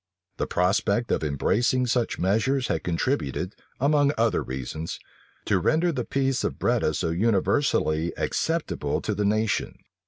The prospect of embracing such measures had contributed, among other reasons, to render the peace of Breda so universally acceptable to the nation.